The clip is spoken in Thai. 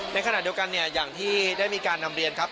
ในขณะเดียวกันเนี่ยอย่างที่ได้มีการนำเรียนครับ